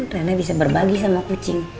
nenek bisa berbagi sama kucing